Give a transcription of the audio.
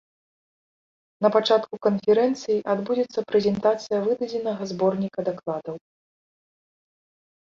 На пачатку канферэнцыі адбудзецца прэзентацыя выдадзенага зборніка дакладаў.